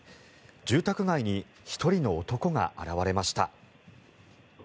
住宅街に１人の男が現れました。